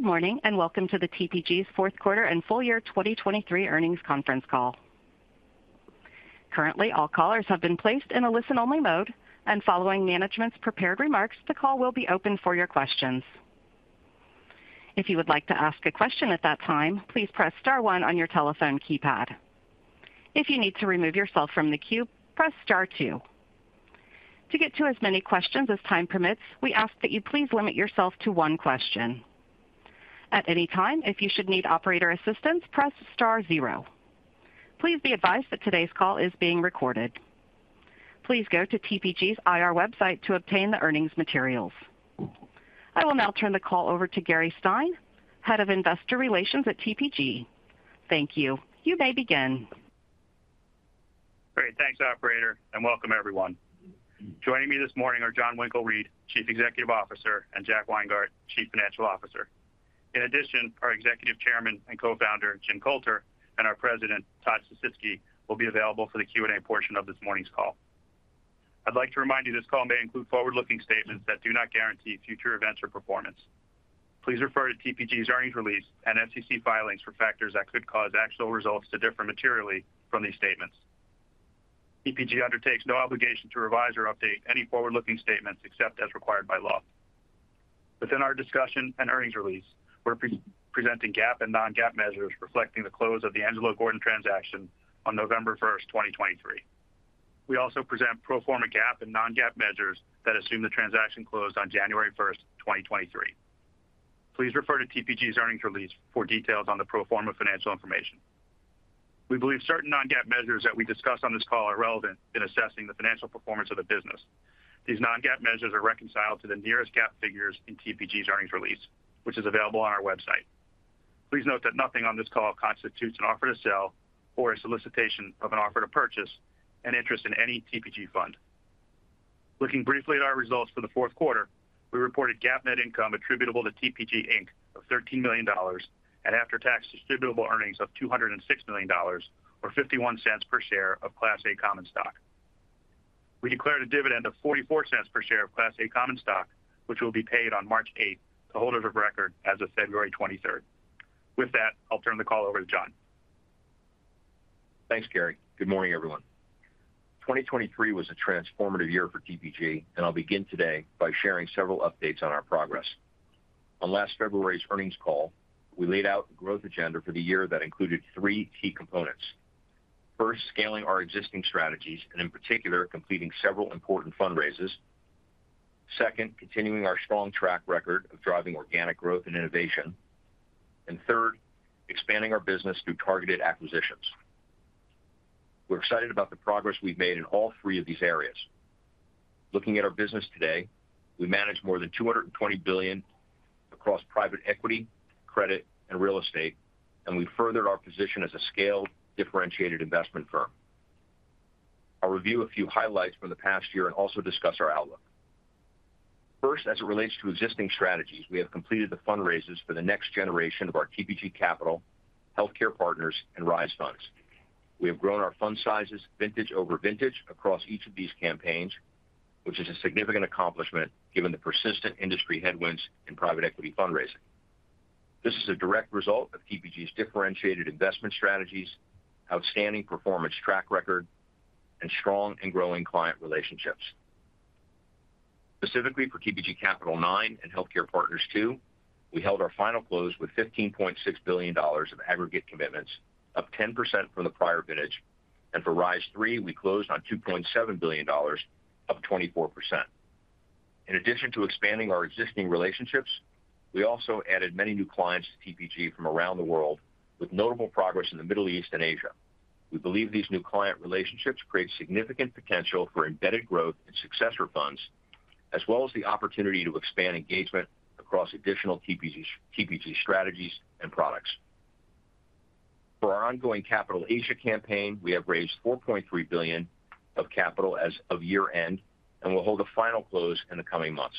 Good morning and welcome to the TPG's fourth quarter and full year 2023 earnings conference call. Currently all callers have been placed in a listen-only mode and following management's prepared remarks the call will be open for your questions. If you would like to ask a question at that time please press star one on your telephone keypad. If you need to remove yourself from the queue press star two. To get to as many questions as time permits we ask that you please limit yourself to one question. At any time if you should need operator assistance press star zero. Please be advised that today's call is being recorded. Please go to TPG's IR website to obtain the earnings materials. I will now turn the call over to Gary Stein, Head of Investor Relations at TPG. Thank you. You may begin. Great. Thanks, operator, and welcome, everyone. Joining me this morning are Jon Winkelried, Chief Executive Officer, and Jack Weingart, Chief Financial Officer. In addition, our Executive Chairman and Co-Founder Jim Coulter and our President Todd Sisitsky will be available for the Q&A portion of this morning's call. I'd like to remind you this call may include forward-looking statements that do not guarantee future events or performance. Please refer to TPG's earnings release and SEC filings for factors that could cause actual results to differ materially from these statements. TPG undertakes no obligation to revise or update any forward-looking statements except as required by law. Within our discussion and earnings release, we're presenting GAAP and non-GAAP measures reflecting the close of the Angelo Gordon transaction on November 1st, 2023. We also present pro forma GAAP and non-GAAP measures that assume the transaction closed on January 1st, 2023. Please refer to TPG's earnings release for details on the pro forma financial information. We believe certain non-GAAP measures that we discuss on this call are relevant in assessing the financial performance of the business. These non-GAAP measures are reconciled to the nearest GAAP figures in TPG's earnings release which is available on our website. Please note that nothing on this call constitutes an offer to sell or a solicitation of an offer to purchase an interest in any TPG fund. Looking briefly at our results for the fourth quarter, we reported GAAP net income attributable to TPG Inc. of $13 million and after-tax distributable earnings of $206 million or $0.51 per share of Class A common stock. We declared a dividend of $0.44 per share of Class A common stock which will be paid on March 8th to holders of record as of February 23rd. With that I'll turn the call over to Jon. Thanks Gary. Good morning everyone. 2023 was a transformative year for TPG and I'll begin today by sharing several updates on our progress. On last February's earnings call we laid out a growth agenda for the year that included three key components. First scaling our existing strategies and in particular completing several important fundraisers. Second continuing our strong track record of driving organic growth and innovation. And third expanding our business through targeted acquisitions. We're excited about the progress we've made in all three of these areas. Looking at our business today we manage more than $220 billion across private equity credit and real estate and we've furthered our position as a scaled differentiated investment firm. I'll review a few highlights from the past year and also discuss our outlook. First, as it relates to existing strategies, we have completed the fundraisers for the next generation of our TPG Capital, Healthcare Partners, and Rise funds. We have grown our fund sizes, vintage over vintage, across each of these campaigns, which is a significant accomplishment given the persistent industry headwinds in private equity fundraising. This is a direct result of TPG's differentiated investment strategies, outstanding performance track record, and strong and growing client relationships. Specifically, for TPG Capital IX and Healthcare Partners II, we held our final close with $15.6 billion of aggregate commitments, up 10% from the prior vintage. For Rise III, we closed on $2.7 billion, up 24%. In addition to expanding our existing relationships, we also added many new clients to TPG from around the world, with notable progress in the Middle East and Asia. We believe these new client relationships create significant potential for embedded growth and successor funds as well as the opportunity to expand engagement across additional TPG strategies and products. For our ongoing TPG Capital Asia campaign we have raised $4.3 billion of Capital as of year-end and we'll hold a final close in the coming months.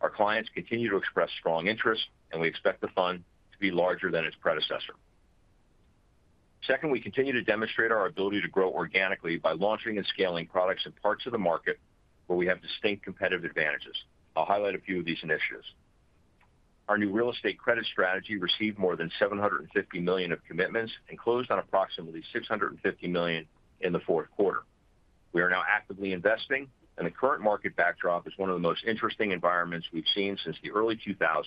Our clients continue to express strong interest and we expect the fund to be larger than its predecessor. Second we continue to demonstrate our ability to grow organically by launching and scaling products in parts of the market where we have distinct competitive advantages. I'll highlight a few of these initiatives. Our new real estate credit strategy received more than $750 million of commitments and closed on approximately $650 million in the fourth quarter. We are now actively investing and the current market backdrop is one of the most interesting environments we've seen since the early 2000s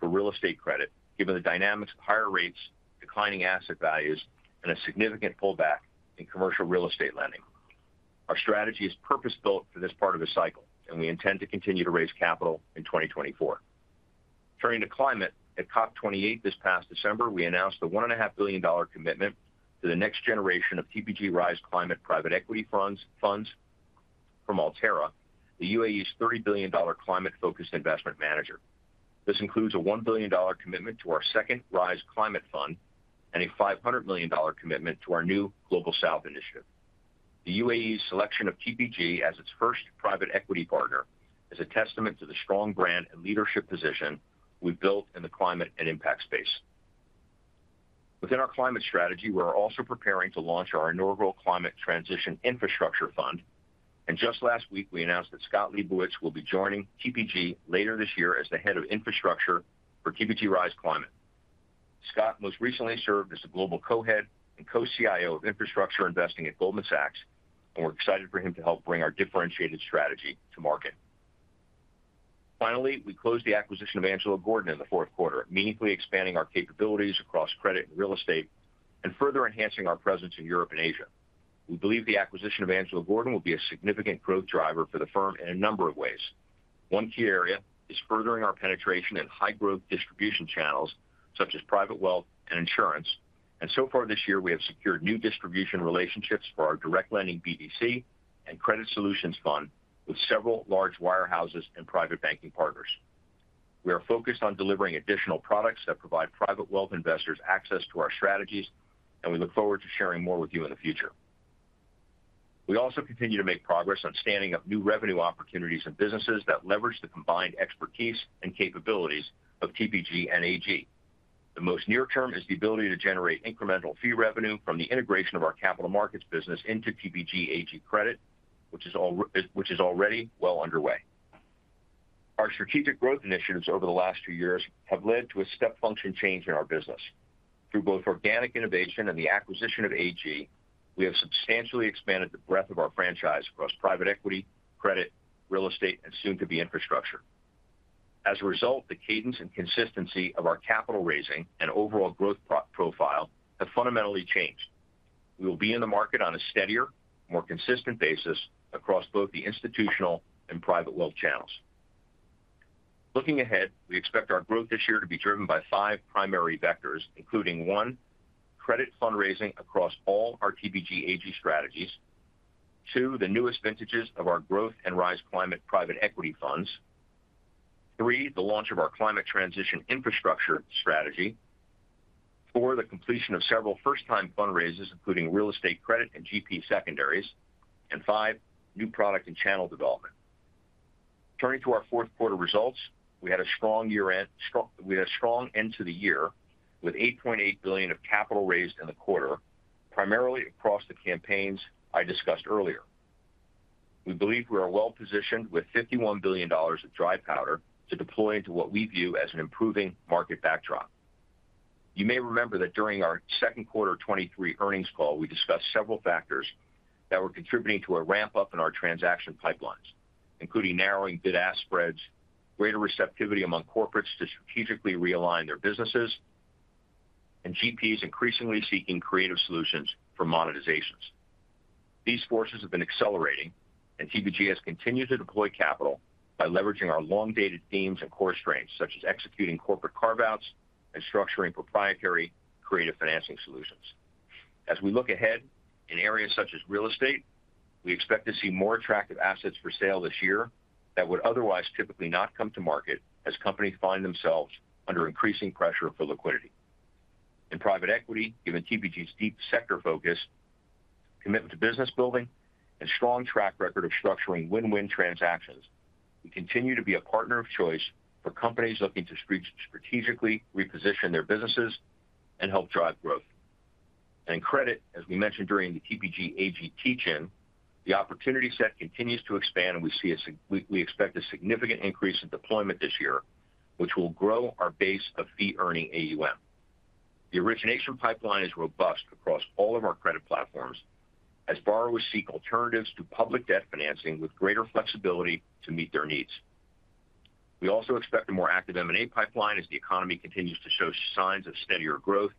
for real estate credit given the dynamics of higher rates declining asset values and a significant pullback in commercial real estate lending. Our strategy is purpose-built for this part of the cycle and we intend to continue to raise capital in 2024. Turning to climate at COP28 this past December we announced a $1.5 billion commitment to the next generation of TPG Rise Climate private equity funds from ALTÉRRA the UAE's $30 billion climate-focused investment manager. This includes a $1 billion commitment to our second Rise Climate fund and a $500 million commitment to our new Global South Initiative. The UAE's selection of TPG as its first private equity partner is a testament to the strong brand and leadership position we've built in the climate and impact space. Within our climate strategy we are also preparing to launch our inaugural Climate Transition Infrastructure fund. Just last week we announced that Scott Lebovitz will be joining TPG later this year as the head of infrastructure for TPG Rise Climate. Scott most recently served as the global co-head and co-CIO of infrastructure investing at Goldman Sachs and we're excited for him to help bring our differentiated strategy to market. Finally we closed the acquisition of Angelo Gordon in the fourth quarter meaningfully expanding our capabilities across credit and real estate and further enhancing our presence in Europe and Asia. We believe the acquisition of Angelo Gordon will be a significant growth driver for the firm in a number of ways. One key area is furthering our penetration in high-growth distribution channels such as private wealth and insurance. So far this year we have secured new distribution relationships for our direct lending BDC and Credit Solutions fund with several large wirehouses and private banking partners. We are focused on delivering additional products that provide private wealth investors access to our strategies and we look forward to sharing more with you in the future. We also continue to make progress on standing up new revenue opportunities and businesses that leverage the combined expertise and capabilities of TPG and AG. The most near-term is the ability to generate incremental fee revenue from the integration of our capital markets business into TPG AG Credit, which is already well underway. Our strategic growth initiatives over the last two years have led to a step function change in our business. Through both organic innovation and the acquisition of AG, we have substantially expanded the breadth of our franchise across private equity, credit, real estate, and soon-to-be infrastructure. As a result, the cadence and consistency of our capital raising and overall growth profile have fundamentally changed. We will be in the market on a steadier, more consistent basis across both the institutional and private wealth channels. Looking ahead, we expect our growth this year to be driven by five primary vectors including one credit fundraising across all our TPG AG strategies, two the newest vintages of our growth and Rise Climate private equity funds, three the launch of our Climate Transition Infrastructure strategy, four the completion of several first-time fundraisers including real estate, credit, and GP secondaries, and five new product and channel development. Turning to our fourth quarter results, we had a strong year-end. We had a strong end to the year with $8.8 billion of capital raised in the quarter, primarily across the campaigns I discussed earlier. We believe we are well positioned with $51 billion of dry powder to deploy into what we view as an improving market backdrop. You may remember that during our second quarter 2023 earnings call, we discussed several factors that were contributing to a ramp-up in our transaction pipelines, including narrowing bid-ask spreads, greater receptivity among corporates to strategically realign their businesses, and GPs increasingly seeking creative solutions for monetizations. These forces have been accelerating, and TPG has continued to deploy capital by leveraging our long-dated themes and core strengths such as executing corporate carve-outs and structuring proprietary creative financing solutions. As we look ahead in areas such as real estate, we expect to see more attractive assets for sale this year that would otherwise typically not come to market as companies find themselves under increasing pressure for liquidity. In private equity, given TPG's deep sector focus, commitment to business building, and strong track record of structuring win-win transactions, we continue to be a partner of choice for companies looking to seek to strategically reposition their businesses and help drive growth. In credit, as we mentioned during the TPG AG teach-in, the opportunity set continues to expand, and we see as we expect a significant increase in deployment this year, which will grow our base of fee-earning AUM. The origination pipeline is robust across all of our credit platforms as borrowers seek alternatives to public debt financing with greater flexibility to meet their needs. We also expect a more active M&A pipeline as the economy continues to show signs of steadier growth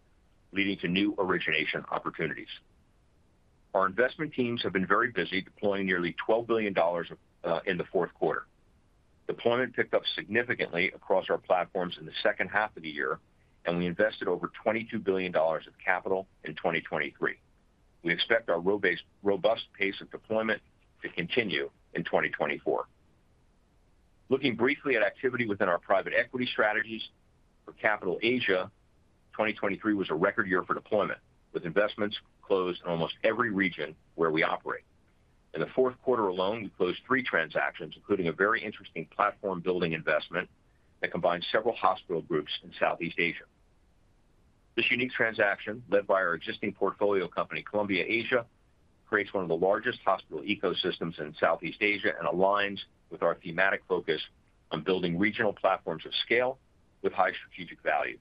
leading to new origination opportunities. Our investment teams have been very busy deploying nearly $12 billion in the fourth quarter. Deployment picked up significantly across our platforms in the second half of the year and we invested over $22 billion of capital in 2023. We expect our robust pace of deployment to continue in 2024. Looking briefly at activity within our private equity strategies for TPG Capital Asia 2023 was a record year for deployment with investments closed in almost every region where we operate. In the fourth quarter alone we closed three transactions including a very interesting platform-building investment that combined several hospital groups in Southeast Asia. This unique transaction led by our existing portfolio company Columbia Asia creates one of the largest hospital ecosystems in Southeast Asia and aligns with our thematic focus on building regional platforms of scale with high strategic value.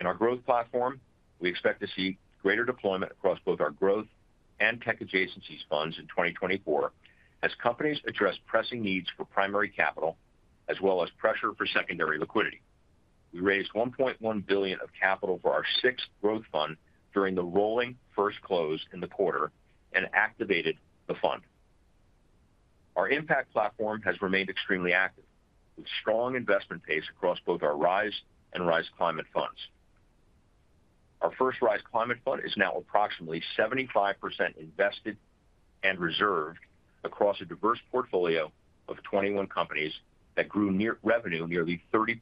In our growth platform we expect to see greater deployment across both our growth and Tech Adjacencies funds in 2024 as companies address pressing needs for primary capital as well as pressure for secondary liquidity. We raised $1.1 billion of capital for our sixth growth fund during the rolling first close in the quarter and activated the fund. Our impact platform has remained extremely active with strong investment pace across both our Rise and Rise Climate funds. Our first Rise Climate fund is now approximately 75% invested and reserved across a diverse portfolio of 21 companies that grew in revenue nearly 30%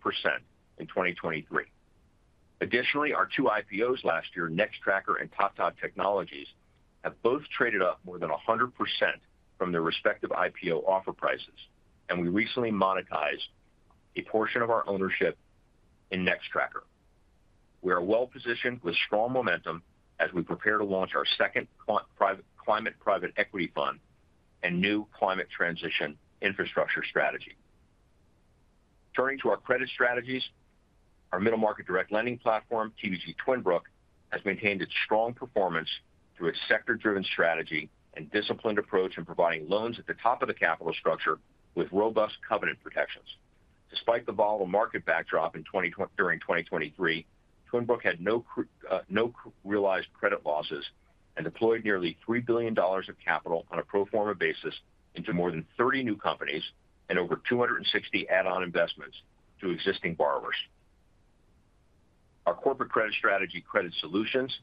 in 2023. Additionally, our two IPOs last year, Nextracker and Tata Technologies, have both traded up more than 100% from their respective IPO offer prices. And we recently monetized a portion of our ownership in Nextracker. We are well positioned with strong momentum as we prepare to launch our second quant private climate private equity fund and new Climate Transition Infrastructure strategy. Turning to our credit strategies, our middle market direct lending platform Twin Brook has maintained its strong performance through its sector-driven strategy and disciplined approach in providing loans at the top of the capital structure with robust covenant protections. Despite the volatile market backdrop in 2022 during 2023, Twin Brook had no realized credit losses and deployed nearly $3 billion of capital on a pro forma basis into more than 30 new companies and over 260 add-on investments to existing borrowers. Our corporate credit strategy Credit Solutions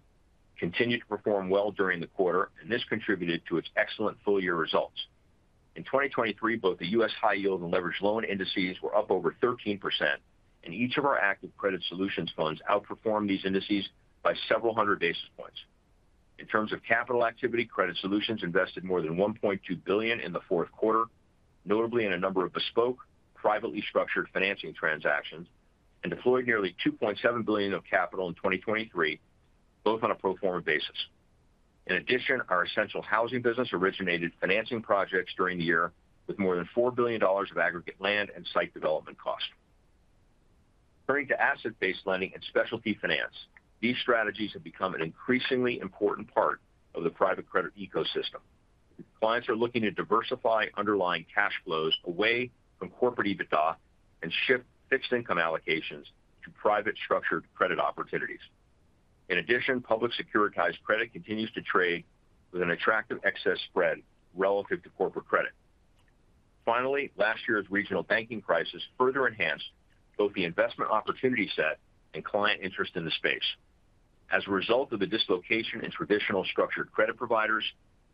continue to perform well during the quarter and this contributed to its excellent full-year results. In 2023 both the U.S. high-yield and leveraged loan indices were up over 13% and each of our active Credit Solutions funds outperformed these indices by several hundred basis points. In terms of capital activity Credit Solutions invested more than $1.2 billion in the fourth quarter notably in a number of bespoke privately structured financing transactions and deployed nearly $2.7 billion of capital in 2023 both on a pro forma basis. In addition our Essential Housing business originated financing projects during the year with more than $4 billion of aggregate land and site development cost. Turning to asset-based lending and specialty finance these strategies have become an increasingly important part of the private credit ecosystem. Clients are looking to diversify underlying cash flows away from corporate EBITDA and shift fixed income allocations to private structured credit opportunities. In addition, public securitized credit continues to trade with an attractive excess spread relative to corporate credit. Finally, last year's regional banking crisis further enhanced both the investment opportunity set and client interest in the space. As a result of the dislocation in traditional structured credit providers,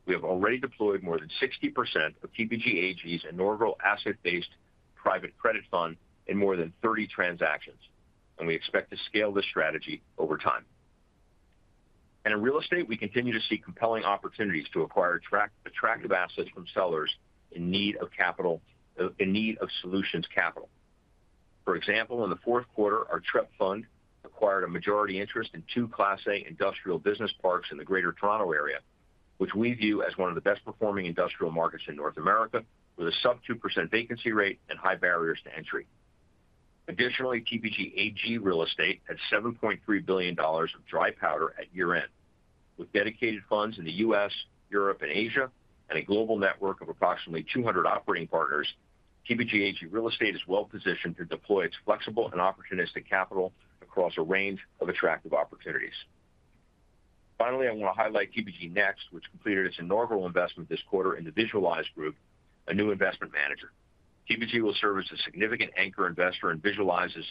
we have already deployed more than 60% of TPG AG's inaugural asset-based private credit fund in more than 30 transactions. We expect to scale this strategy over time. In real estate, we continue to see compelling opportunities to acquire attractive assets from sellers in need of capital in need of solutions capital. For example, in the fourth quarter, our TREP Fund acquired a majority interest in 2 Class A industrial business parks in the Greater Toronto Area, which we view as one of the best performing industrial markets in North America with a sub-2% vacancy rate and high barriers to entry. Additionally, TPG AG Real Estate had $7.3 billion of dry powder at year-end. With dedicated funds in the U.S., Europe, and Asia and a global network of approximately 200 operating partners, TPG AG Real Estate is well positioned to deploy its flexible and opportunistic capital across a range of attractive opportunities. Finally, I wanna highlight TPG NEXT, which completed its inaugural investment this quarter in the Visualize Group, a new investment manager. TPG will serve as a significant anchor investor in Visualize's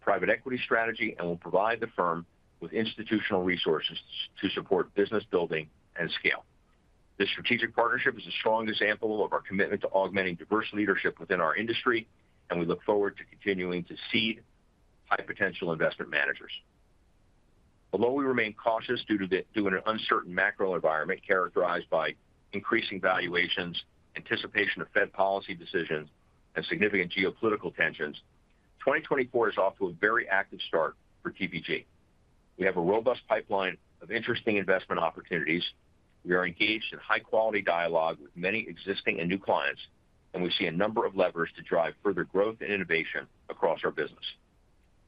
private equity strategy and will provide the firm with institutional resources to support business building and scale. This strategic partnership is a strong example of our commitment to augmenting diverse leadership within our industry and we look forward to continuing to seed high-potential investment managers. Although we remain cautious due to an uncertain macro environment characterized by increasing valuations anticipation of Fed policy decisions and significant geopolitical tensions 2024 is off to a very active start for TPG. We have a robust pipeline of interesting investment opportunities. We are engaged in high-quality dialogue with many existing and new clients and we see a number of levers to drive further growth and innovation across our business.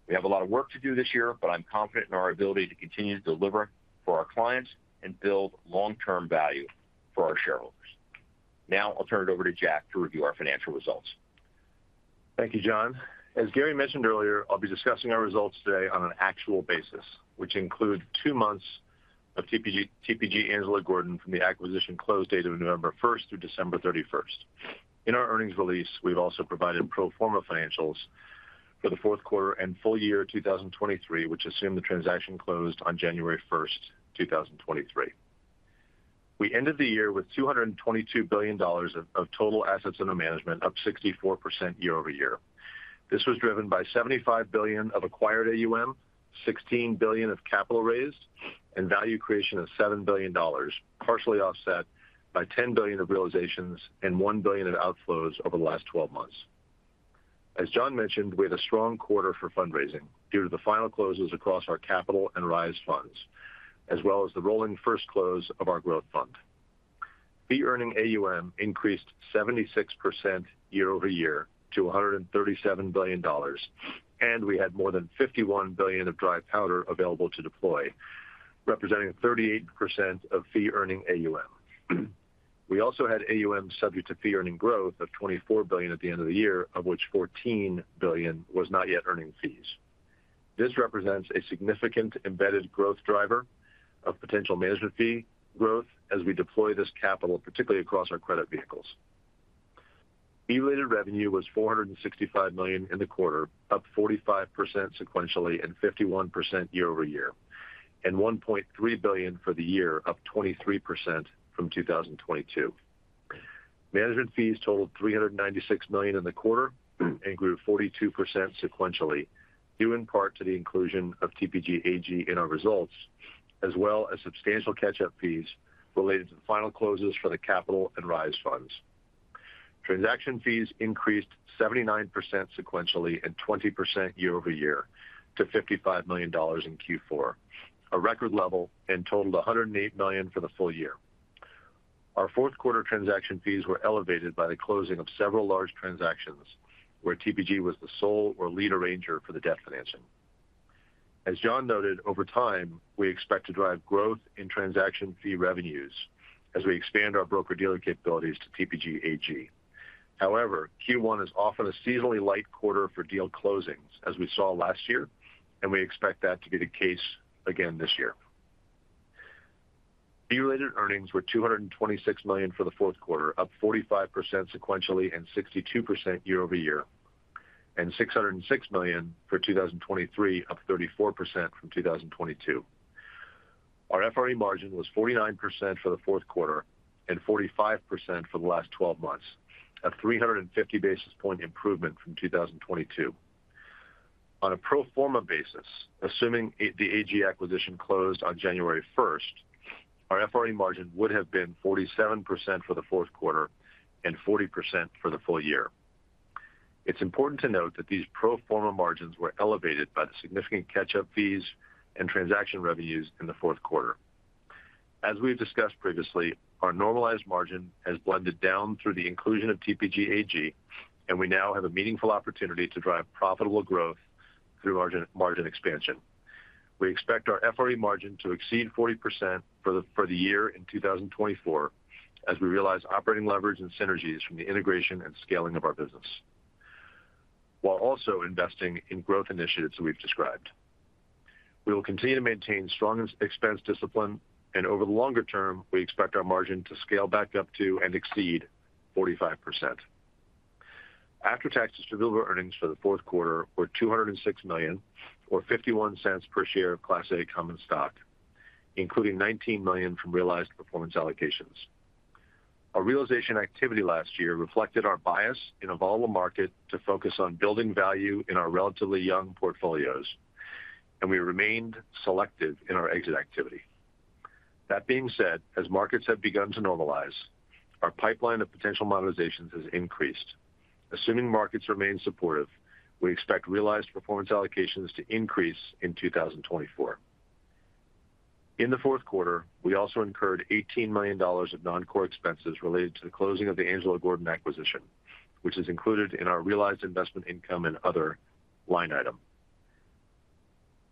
We have a lot of work to do this year but I'm confident in our ability to continue to deliver for our clients and build long-term value for our shareholders. Now I'll turn it over to Jack to review our financial results. Thank you Jon. As Gary mentioned earlier I'll be discussing our results today on an actual basis which include two months of TPG Angelo Gordon from the acquisition close date of November 1st through December 31st. In our earnings release we've also provided pro forma financials for the fourth quarter and full year 2023 which assume the transaction closed on January 1st, 2023. We ended the year with $222 billion of total assets under management up 64% year-over-year. This was driven by $75 billion of acquired AUM $16 billion of capital raised and value creation of $7 billion partially offset by $10 billion of realizations and $1 billion of outflows over the last 12 months. As Jon mentioned, we had a strong quarter for fundraising due to the final closes across our capital and Rise funds as well as the rolling first close of our growth fund. Fee-earning AUM increased 76% year-over-year to $137 billion and we had more than $51 billion of dry powder available to deploy representing 38% of fee-earning AUM. We also had AUM subject to fee-earning growth of $24 billion at the end of the year of which $14 billion was not yet earning fees. This represents a significant embedded growth driver of potential management fee growth as we deploy this capital particularly across our credit vehicles. Fee-related revenue was $465 million in the quarter up 45% sequentially and 51% year-over-year. $1.3 billion for the year up 23% from 2022. Management fees totaled $396 million in the quarter and grew 42% sequentially due in part to the inclusion of TPG AG in our results as well as substantial catch-up fees related to the final closes for the capital and Rise funds. Transaction fees increased 79% sequentially and 20% year-over-year to $55 million in Q4, a record level, and totaled $108 million for the full year. Our fourth quarter transaction fees were elevated by the closing of several large transactions where TPG was the sole or lead arranger for the debt financing. As Jon noted over time we expect to drive growth in transaction fee revenues as we expand our broker-dealer capabilities to TPG AG. However, Q1 is often a seasonally light quarter for deal closings, as we saw last year, and we expect that to be the case again this year. Adjusted earnings were $226 million for the fourth quarter, up 45% sequentially and 62% year-over-year. $606 million for 2023, up 34% from 2022. Our FRE margin was 49% for the fourth quarter and 45% for the last 12 months, a 350 basis point improvement from 2022. On a pro forma basis, assuming the AG acquisition closed on January 1st, our FRE margin would have been 47% for the fourth quarter and 40% for the full year. It's important to note that these pro forma margins were elevated by the significant catch-up fees and transaction revenues in the fourth quarter. As we've discussed previously our normalized margin has blended down through the inclusion of TPG Angelo Gordon and we now have a meaningful opportunity to drive profitable growth through margin expansion. We expect our FRE margin to exceed 40% for the year in 2024 as we realize operating leverage and synergies from the integration and scaling of our business. While also investing in growth initiatives that we've described. We will continue to maintain strong expense discipline and over the longer term we expect our margin to scale back up to and exceed 45%. After-tax distributable earnings for the fourth quarter were $206 million or $0.51 per share of Class A common stock including $19 million from realized performance allocations. Our realization activity last year reflected our bias in a volatile market to focus on building value in our relatively young portfolios and we remained selective in our exit activity. That being said as markets have begun to normalize our pipeline of potential monetizations has increased. Assuming markets remain supportive we expect realized performance allocations to increase in 2024. In the fourth quarter we also incurred $18 million of non-core expenses related to the closing of the Angelo Gordon acquisition which is included in our realized investment income and other line item.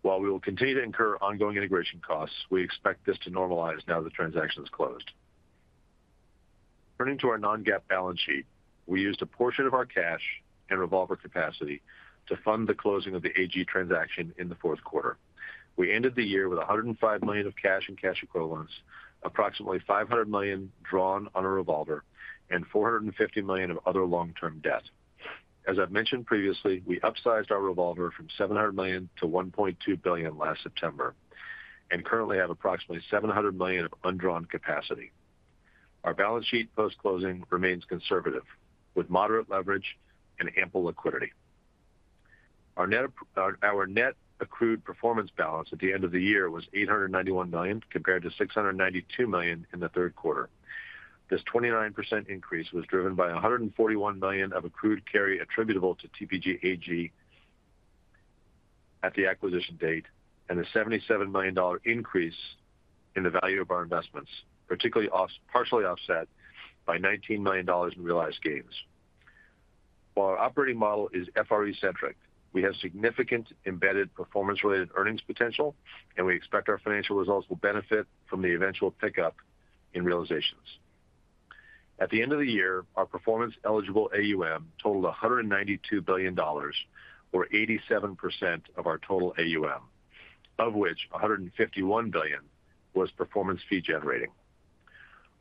While we will continue to incur ongoing integration costs we expect this to normalize now that the transaction's closed. Turning to our non-GAAP balance sheet, we used a portion of our cash and revolver capacity to fund the closing of the AG transaction in the fourth quarter. We ended the year with $105 million of cash and cash equivalents, approximately $500 million drawn on a revolver, and $450 million of other long-term debt. As I've mentioned previously, we upsized our revolver from $700 million to $1.2 billion last September and currently have approximately $700 million of undrawn capacity. Our balance sheet post-closing remains conservative with moderate leverage and ample liquidity. Our net accrued performance balance at the end of the year was $891 million compared to $692 million in the third quarter. This 29% increase was driven by $141 million of accrued carry attributable to TPG AG at the acquisition date and a $77 million increase in the value of our investments, partially offset by $19 million in realized gains. While our operating model is FRE-centric, we have significant embedded performance-related earnings potential and we expect our financial results will benefit from the eventual pickup in realizations. At the end of the year, our performance-eligible AUM totaled $192 billion, or 87% of our total AUM, of which $151 billion was performance fee generating.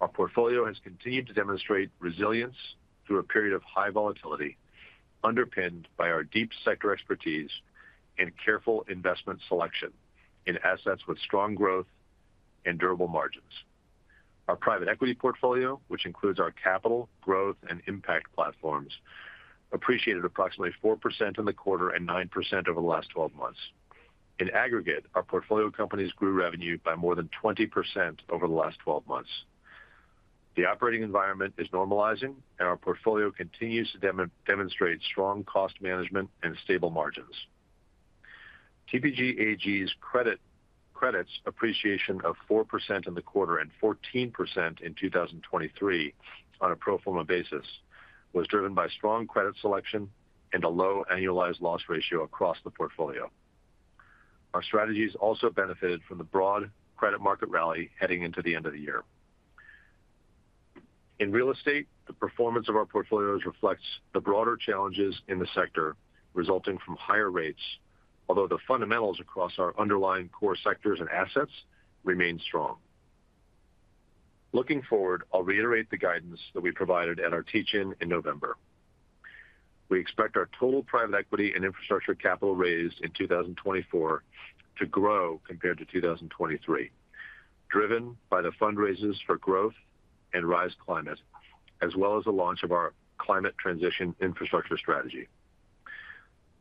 Our portfolio has continued to demonstrate resilience through a period of high volatility underpinned by our deep sector expertise and careful investment selection in assets with strong growth and durable margins. Our private equity portfolio, which includes our Capital, Growth, and Impact platforms, appreciated approximately 4% in the quarter and 9% over the last 12 months. In aggregate, our portfolio companies grew revenue by more than 20% over the last 12 months. The operating environment is normalizing and our portfolio continues to demonstrate strong cost management and stable margins. TPG AG's Credit's appreciation of 4% in the quarter and 14% in 2023 on a pro forma basis was driven by strong credit selection and a low annualized loss ratio across the portfolio. Our strategies also benefited from the broad credit market rally heading into the end of the year. In real estate, the performance of our portfolios reflects the broader challenges in the sector resulting from higher rates, although the fundamentals across our underlying core sectors and assets remain strong. Looking forward, I'll reiterate the guidance that we provided at our teach-in in November. We expect our total private equity and infrastructure capital raised in 2024 to grow compared to 2023 driven by the fundraisers for Growth and Rise Climate as well as the launch of our Climate Transition Infrastructure strategy.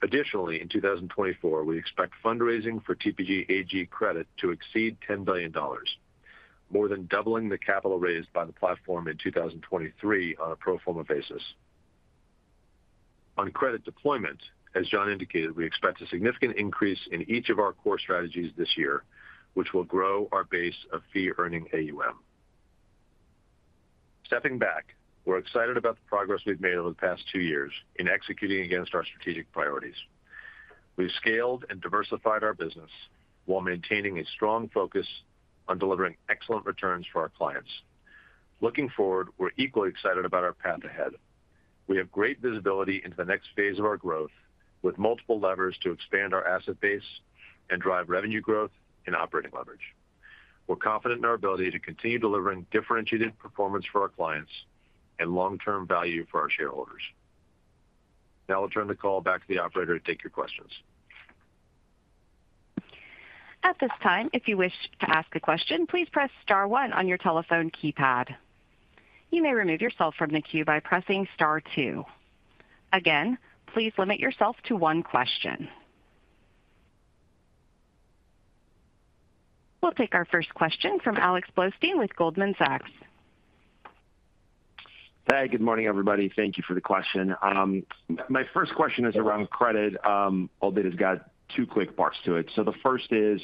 Additionally, in 2024 we expect fundraising for TPG AG Credit to exceed $10 billion, more than doubling the capital raised by the platform in 2023 on a pro forma basis. On credit deployment, as Jon indicated, we expect a significant increase in each of our core strategies this year, which will grow our base of fee-earning AUM. Stepping back, we're excited about the progress we've made over the past two years in executing against our strategic priorities. We've scaled and diversified our business while maintaining a strong focus on delivering excellent returns for our clients. Looking forward we're equally excited about our path ahead. We have great visibility into the next phase of our growth with multiple levers to expand our asset base and drive revenue growth and operating leverage. We're confident in our ability to continue delivering differentiated performance for our clients and long-term value for our shareholders. Now I'll turn the call back to the operator to take your questions. At this time, if you wish to ask a question, please press star one on your telephone keypad. You may remove yourself from the queue by pressing star two. Again, please limit yourself to one question. We'll take our first question from Alex Blostein with Goldman Sachs. Hi, good morning, everybody. Thank you for the question. My first question is around credit, albeit it's got two quick parts to it. So the first is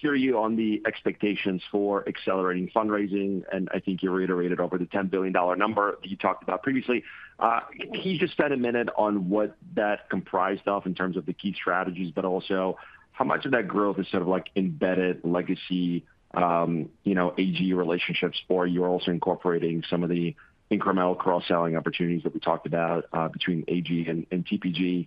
hear you on the expectations for accelerating fundraising, and I think you reiterated over the $10 billion number that you talked about previously. Can you just spend a minute on what that comprised of in terms of the key strategies but also how much of that growth is sort of like embedded legacy, you know, AG relationships or you're also incorporating some of the incremental cross-selling opportunities that we talked about between AG and TPG.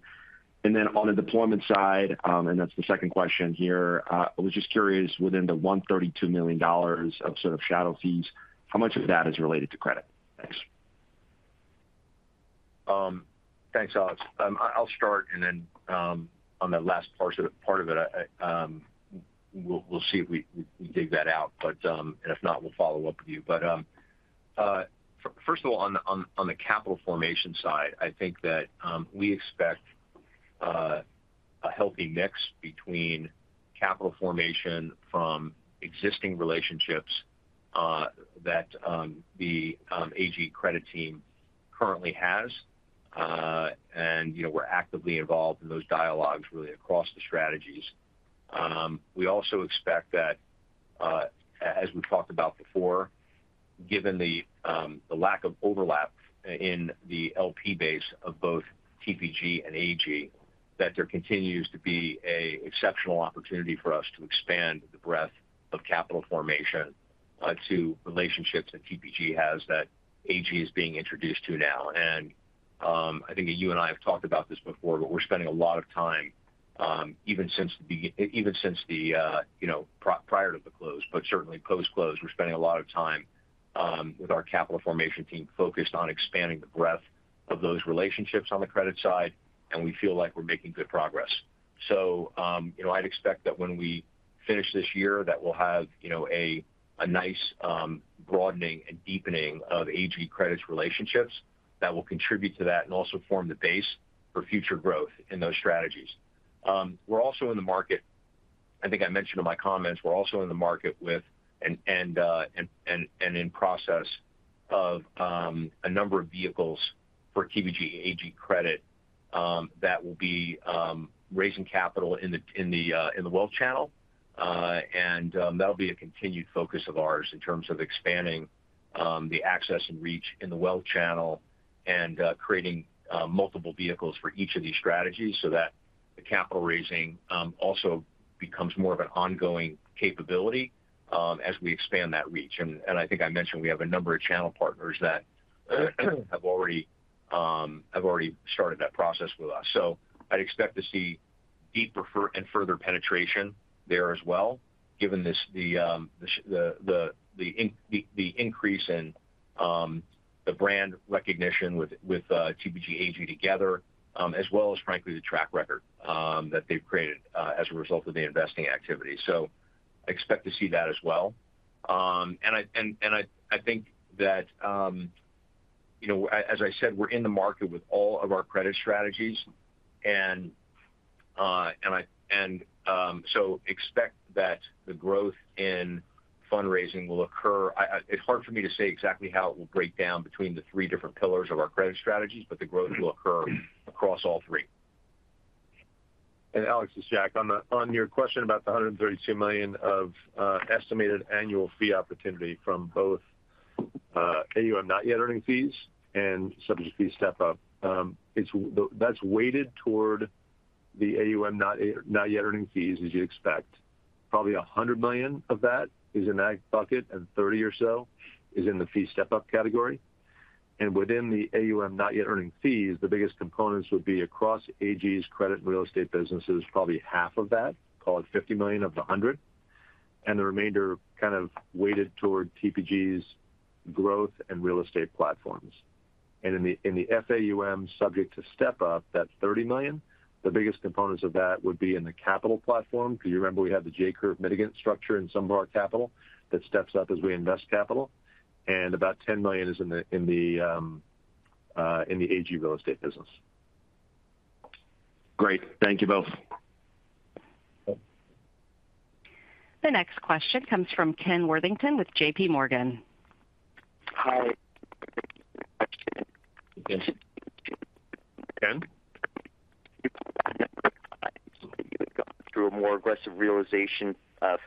And then on the deployment side and that's the second question here, I was just curious within the $132 million of sort of shadow fees how much of that is related to credit? Thanks. Thanks, Alex. I'll start and then on that last part of it, we'll see if we dig that out, but if not, we'll follow up with you. But first of all, on the capital formation side, I think that we expect a healthy mix between capital formation from existing relationships that the AG credit team currently has, and you know, we're actively involved in those dialogues really across the strategies. We also expect that as we've talked about before, given the lack of overlap in the LP base of both TPG and AG, that there continues to be an exceptional opportunity for us to expand the breadth of capital formation to relationships that TPG has that AG is being introduced to now. I think that you and I have talked about this before, but we're spending a lot of time even since the beginning even since the, you know, prior to the close but certainly post-close we're spending a lot of time with our capital formation team focused on expanding the breadth of those relationships on the credit side and we feel like we're making good progress. So you know I'd expect that when we finish this year that we'll have you know a nice broadening and deepening of AG credit's relationships that will contribute to that and also form the base for future growth in those strategies. We're also in the market. I think I mentioned in my comments we're also in the market with and in process of a number of vehicles for TPG AG Credit that will be raising capital in the wealth channel. And that'll be a continued focus of ours in terms of expanding the access and reach in the wealth channel and creating multiple vehicles for each of these strategies so that the capital raising also becomes more of an ongoing capability as we expand that reach. And I think I mentioned we have a number of channel partners that have already started that process with us. So I'd expect to see deeper foray and further penetration there as well given the significant increase in the brand recognition with TPG AG together as well as frankly the track record that they've created as a result of the investing activity. So I expect to see that as well. And I think that you know, as I said, we're in the market with all of our credit strategies and so expect that the growth in fundraising will occur. It's hard for me to say exactly how it will break down between the three different pillars of our credit strategies, but the growth will occur across all three. And Alex, this is Jack. On your question about the $132 million of estimated annual fee opportunity from both AUM not yet earning fees and subject fee step up, it's, that's weighted toward the AUM not yet earning fees as you'd expect. Probably $100 million of that is in that bucket and $30 or so is in the fee step up category. And within the AUM not yet earning fees, the biggest components would be across AG's credit and real estate businesses, probably half of that, call it $50 million of the $100. And the remainder kind of weighted toward TPG's growth and real estate platforms. And in the FAUM subject to step up that $30 million, the biggest components of that would be in the capital platform 'cause you remember we had the J Curve mitigant structure in some of our capital that steps up as we invest capital. And about $10 million is in the AG real estate business. Great. Thank you both. The next question comes from Ken Worthington with J.P. Morgan. Hi. Ken? I think we've gone through a more aggressive realization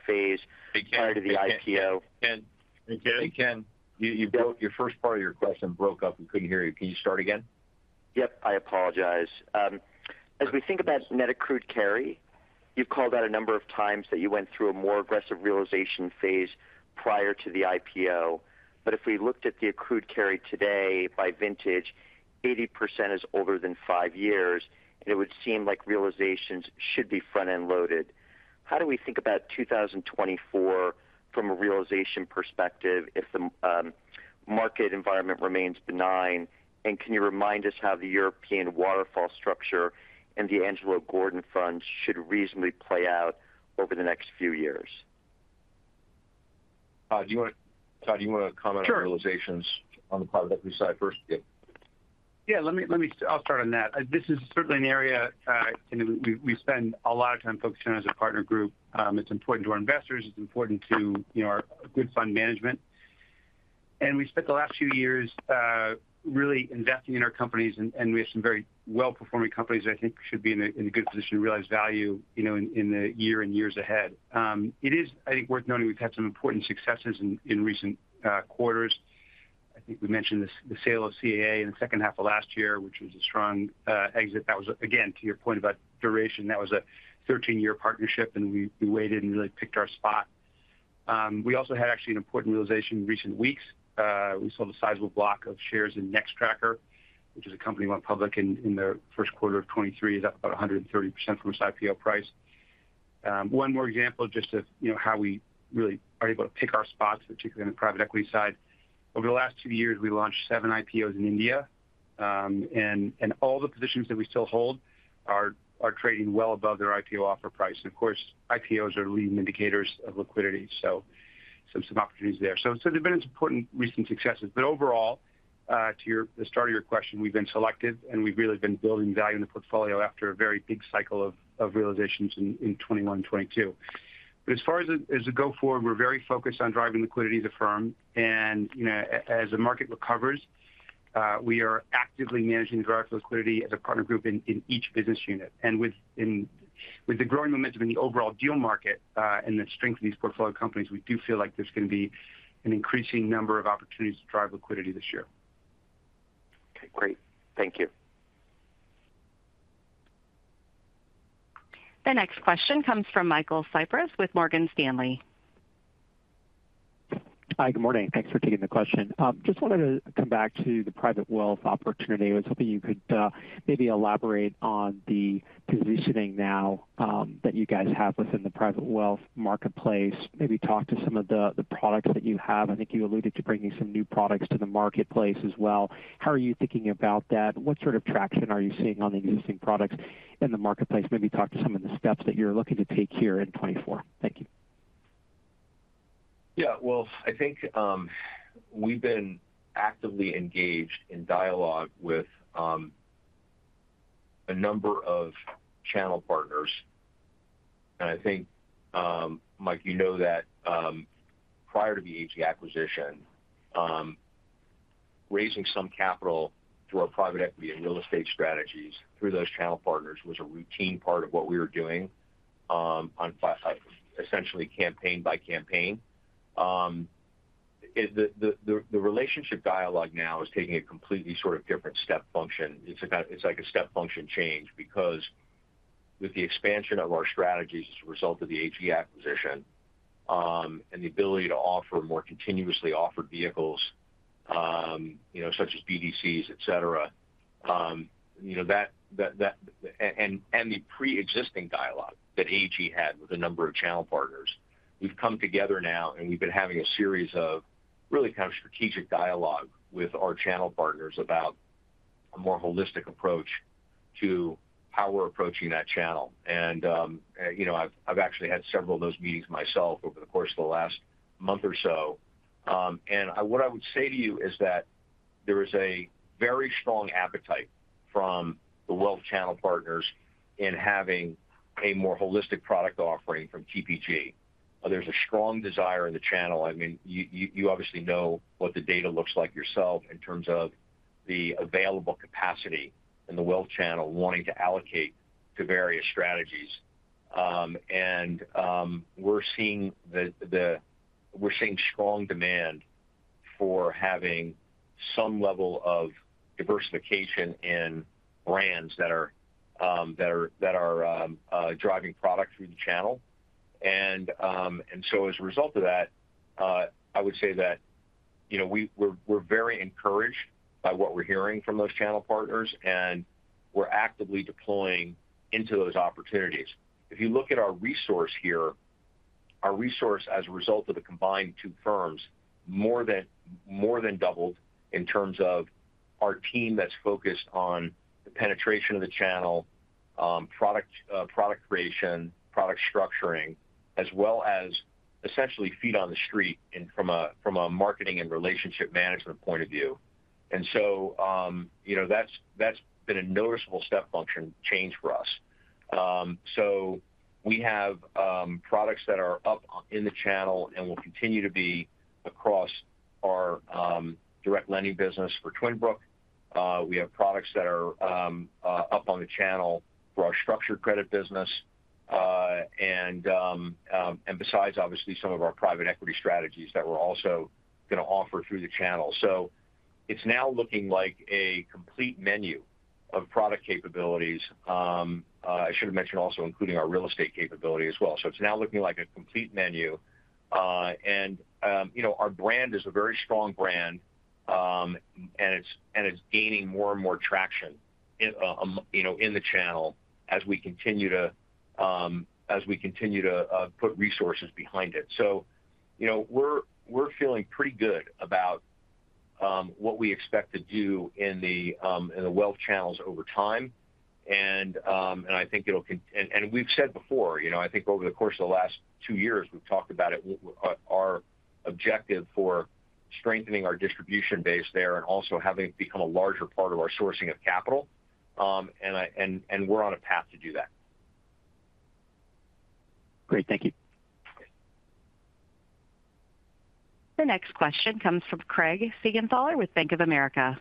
phase prior to the IPO. Hey Ken. Ken? Ken? Hey Ken. You broke your first part of your question up. We couldn't hear you. Can you start again? Yep. I apologize. As we think about net accrued carry, you've called out a number of times that you went through a more aggressive realization phase prior to the IPO. But if we looked at the accrued carry today by vintage, 80% is older than five years and it would seem like realizations should be front-end loaded. How do we think about 2024 from a realization perspective if the market environment remains benign? And can you remind us how the European Waterfall structure and the Angelo Gordon funds should reasonably play out over the next few years? Todd, do you wanna comment on? Sure. Realizations on the private equity side first? Yep. Yeah. Let me start on that. This is certainly an area and we spend a lot of time focusing on as a partner group. It's important to our investors. It's important to you know our good fund management. And we spent the last few years really investing in our companies and we have some very well-performing companies that I think should be in a good position to realize value you know in the year and years ahead. It is I think worth noting we've had some important successes in recent quarters. I think we mentioned this the sale of CAA in the second half of last year which was a strong exit. That was a again to your point about duration that was a 13-year partnership and we weighed it and really picked our spot. We also had actually an important realization in recent weeks. We sold a sizable block of shares in Nextracker which is a company went public in the first quarter of 2023 is up about 130% from its IPO price. One more example just of you know how we really are able to pick our spots particularly on the private equity side. Over the last two years we launched seven IPOs in India. And all the positions that we still hold are trading well above their IPO offer price. And of course IPOs are leading indicators of liquidity so some opportunities there. So they've been important recent successes. But overall to your the start of your question we've been selective and we've really been building value in the portfolio after a very big cycle of realizations in 2021 and 2022. But as far as going forward we're very focused on driving liquidity as a firm. And you know as the market recovers we are actively managing the drive for liquidity as a partner group in each business unit. And with the growing momentum in the overall deal market and the strength of these portfolio companies we do feel like there's gonna be an increasing number of opportunities to drive liquidity this year. Okay. Great. Thank you. The next question comes from Michael Cyprys with Morgan Stanley. Hi, good morning. Thanks for taking the question. Just wanted to come back to the private wealth opportunity. I was hoping you could maybe elaborate on the positioning now that you guys have within the private wealth marketplace. Maybe talk to some of the products that you have. I think you alluded to bringing some new products to the marketplace as well. How are you thinking about that? What sort of traction are you seeing on the existing products in the marketplace? Maybe talk to some of the steps that you're looking to take here in 2024. Thank you. Yeah. Well, I think we've been actively engaged in dialogue with a number of channel partners. And I think, Mike, you know that prior to the AG acquisition, raising some capital through our private equity and real estate strategies through those channel partners was a routine part of what we were doing on a, essentially, campaign by campaign. The relationship dialogue now is taking a completely sort of different step function. It's kind of like a step function change because with the expansion of our strategies as a result of the AG acquisition and the ability to offer more continuously offered vehicles you know such as BDCs et cetera you know that and the pre-existing dialogue that AG had with a number of channel partners we've come together now and we've been having a series of really kind of strategic dialogue with our channel partners about a more holistic approach to how we're approaching that channel. And you know I've actually had several of those meetings myself over the course of the last month or so. And what I would say to you is that there is a very strong appetite from the wealth channel partners in having a more holistic product offering from TPG. There's a strong desire in the channel. I mean, you obviously know what the data looks like yourself in terms of the available capacity in the Wealth Channel wanting to allocate to various strategies. And we're seeing strong demand for having some level of diversification in brands that are driving product through the channel. And so, as a result of that, I would say that, you know, we're very encouraged by what we're hearing from those channel partners, and we're actively deploying into those opportunities. If you look at our resources here, our resources as a result of the combined two firms more than doubled in terms of our team that's focused on the penetration of the channel, product creation, product structuring, as well as essentially feet on the street from a marketing and relationship management point of view. And so you know that's been a noticeable step function change for us. So we have products that are up on the channel and will continue to be across our direct lending business for Twin Brook. We have products that are up on the channel for our structured credit business. And besides obviously some of our private equity strategies that we're also gonna offer through the channel. So it's now looking like a complete menu of product capabilities. I should have mentioned also including our real estate capability as well. So it's now looking like a complete menu. And you know our brand is a very strong brand and it's gaining more and more traction in a you know in the channel as we continue to put resources behind it. So you know we're feeling pretty good about what we expect to do in the Wealth Channels over time. And I think it'll and we've said before you know I think over the course of the last two years we've talked about it we our objective for strengthening our distribution base there and also having it become a larger part of our sourcing of capital. And I and we're on a path to do that. Great. Thank you. The next question comes from Craig Siegenthaler with Bank of America.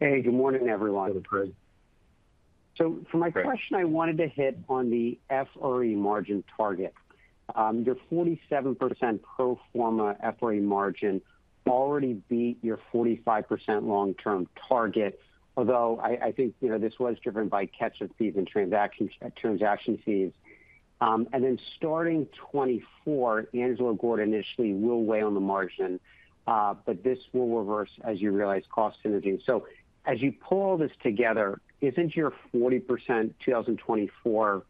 Hey. Good morning, everyone. Hello, Craig. For my question. Hi. I wanted to hit on the FRE margin target. Your 47% pro forma FRE margin already beat your 45% long-term target although I think you know this was driven by catch-up fees and transaction fees. And then starting 2024 Angelo Gordon initially will weigh on the margin. But this will reverse as you realize cost synergy. So as you pull all this together isn't your 40% 2024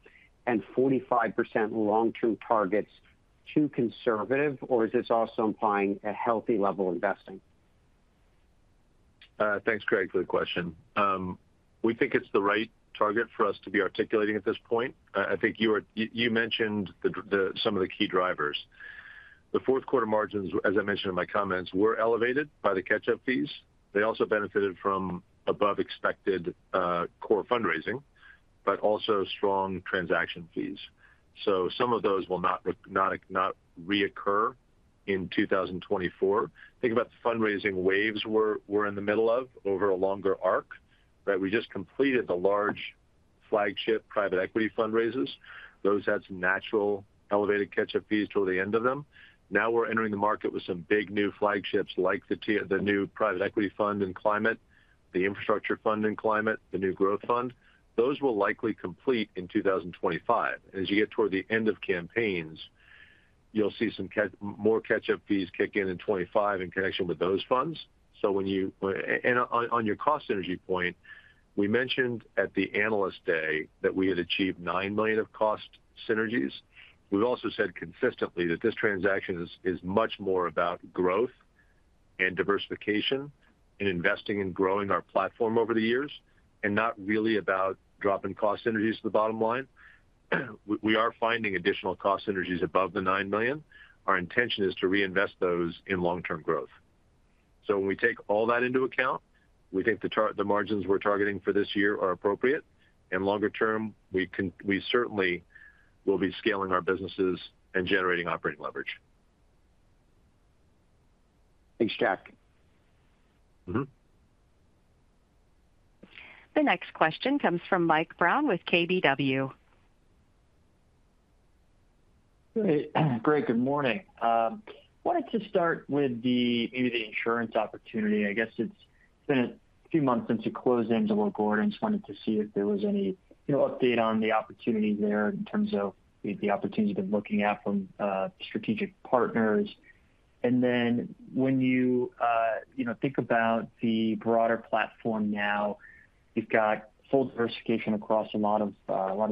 and 45% long-term targets too conservative or is this also implying a healthy level of investing? Thanks, Craig, for the question. We think it's the right target for us to be articulating at this point. I think you mentioned some of the key drivers. The fourth quarter margins, as I mentioned in my comments, were elevated by the catch-up fees. They also benefited from above-expected core fundraising but also strong transaction fees. So some of those will not reoccur in 2024. Think about the fundraising waves we're in the middle of over a longer arc, right? We just completed the large flagship private equity fundraisers. Those had some naturally elevated catch-up fees toward the end of them. Now we're entering the market with some big new flagships like the new private equity fund in climate, the infrastructure fund in climate, the new growth fund. Those will likely complete in 2025. And as you get toward the end of campaigns you'll see some more catch-up fees kick in in 2025 in connection with those funds. So on your cost synergy point we mentioned at the analyst day that we had achieved $9 million of cost synergies. We've also said consistently that this transaction is much more about growth and diversification and investing in growing our platform over the years and not really about dropping cost synergies to the bottom line. We are finding additional cost synergies above the $9 million. Our intention is to reinvest those in long-term growth. So when we take all that into account we think the margins we're targeting for this year are appropriate. And longer term we certainly will be scaling our businesses and generating operating leverage. Thanks, Jack. Mm-hmm. The next question comes from Mike Brown with KBW. Great. Great. Good morning. Wanted to start with the maybe the insurance opportunity. I guess it's been a few months since we closed Angelo Gordon. Just wanted to see if there was any, you know, update on the opportunities there in terms of the opportunities you've been looking at from strategic partners. And then when you, you know, think about the broader platform now you've got full diversification across a lot of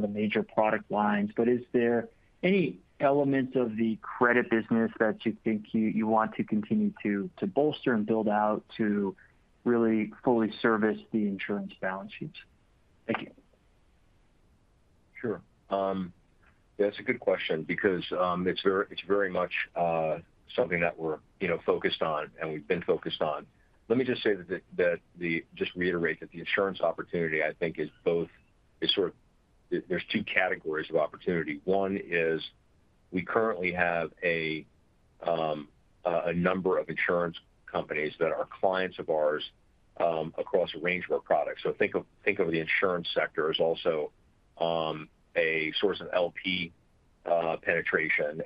the major product lines. But is there any elements of the credit business that you think you want to continue to bolster and build out to really fully service the insurance balance sheets? Thank you. Sure. Yeah. That's a good question because it's very much something that we're, you know, focused on and we've been focused on. Let me just say that, just to reiterate, the insurance opportunity I think is both, sort of, there's two categories of opportunity. One is we currently have a number of insurance companies that are clients of ours across a range of our products. So think of the insurance sector as also a source of LP penetration.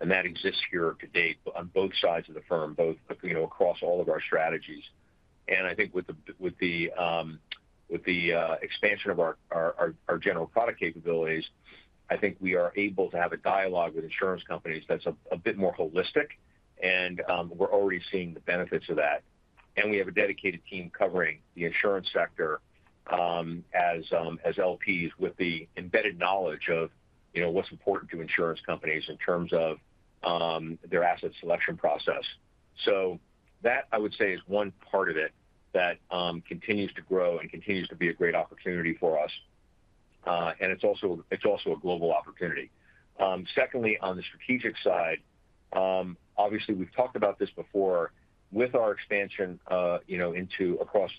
And that exists here to date on both sides of the firm both across, you know, across all of our strategies. And I think with the expansion of our general product capabilities I think we are able to have a dialogue with insurance companies that's a bit more holistic. We're already seeing the benefits of that. We have a dedicated team covering the insurance sector as LPs with the embedded knowledge of you know what's important to insurance companies in terms of their asset selection process. So that I would say is one part of it that continues to grow and continues to be a great opportunity for us. And it's also a global opportunity. Secondly on the strategic side obviously we've talked about this before with our expansion you know into across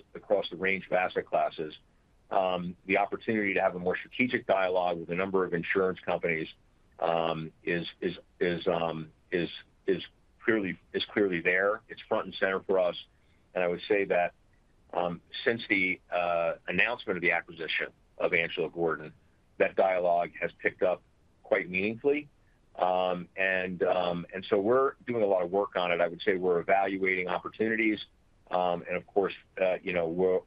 the range of asset classes the opportunity to have a more strategic dialogue with a number of insurance companies is clearly there. It's front and center for us. And I would say that since the announcement of the acquisition of Angelo Gordon that dialogue has picked up quite meaningfully. So we're doing a lot of work on it. I would say we're evaluating opportunities. And of course you know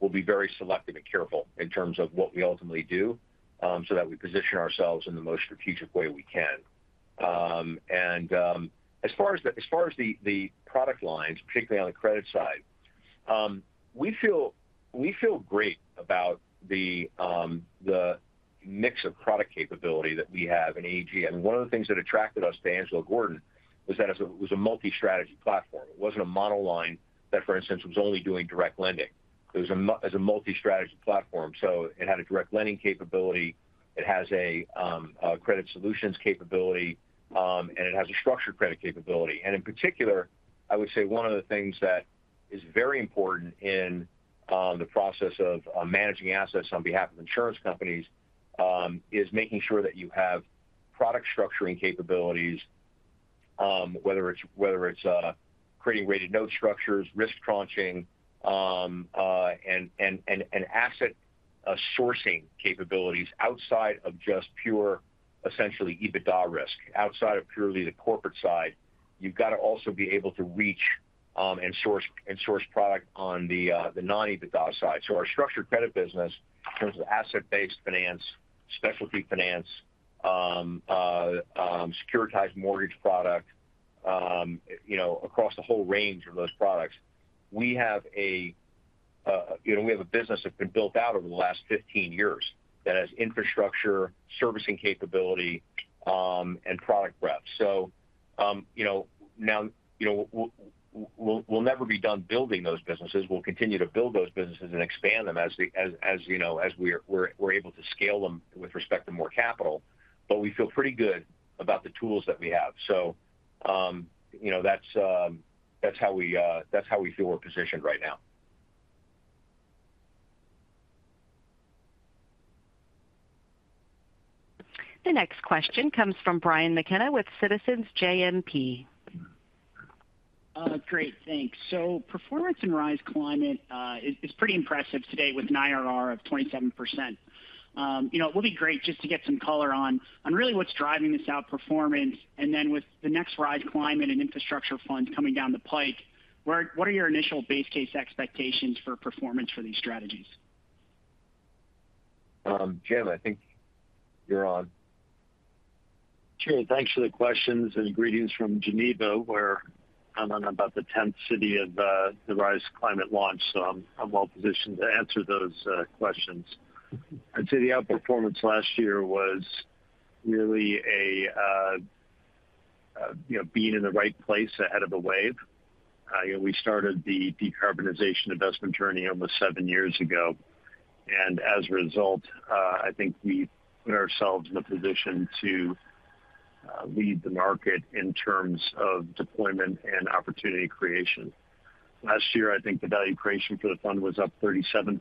we'll be very selective and careful in terms of what we ultimately do so that we position ourselves in the most strategic way we can. And as far as the product lines particularly on the credit side we feel great about the mix of product capability that we have in AG. I mean one of the things that attracted us to Angelo Gordon was that it was a multi-strategy platform. It wasn't a monoline that for instance was only doing direct lending. It was a multi-strategy platform. So it had a direct lending capability. It has a Credit Solutions capability. And it has a structured credit capability. In particular, I would say one of the things that is very important in the process of managing assets on behalf of insurance companies is making sure that you have product structuring capabilities, whether it's creating rated note structures, risk tranching, and asset sourcing capabilities outside of just pure essentially EBITDA risk outside of purely the corporate side. You've gotta also be able to reach and source product on the non-EBITDA side. So our structured credit business in terms of asset-based finance, specialty finance, securitized mortgage product, you know, across the whole range of those products we have a, you know, we have a business that's been built out over the last 15 years that has infrastructure servicing capability and product breadth. So you know, now, you know, we'll never be done building those businesses. We'll continue to build those businesses and expand them as you know as we are able to scale them with respect to more capital. But we feel pretty good about the tools that we have. So you know that's how we feel we're positioned right now. The next question comes from Brian McKenna with Citizens JMP. Great. Thanks. So performance in Rise Climate is pretty impressive today with an IRR of 27%. You know, it will be great just to get some color on really what's driving this outperformance. And then with the next Rise Climate and infrastructure funds coming down the pike, what are your initial base case expectations for performance for these strategies? Jim, I think you're on. Sure. Thanks for the questions and greetings from Geneva where I'm in about the tenth city of the Rise Climate launch. So I'm I'm well positioned to answer those questions. I'd say the outperformance last year was really a, you know, being in the right place ahead of the wave. You know, we started the decarbonization investment journey almost seven years ago. And as a result, I think we put ourselves in a position to lead the market in terms of deployment and opportunity creation. Last year, I think the value creation for the fund was up 37%